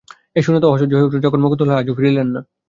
এই শূন্যতা অসহ্য হয়ে উঠল যখন মুকুন্দলাল আজও ফিরলেন না।